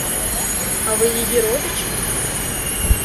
А ви її родич?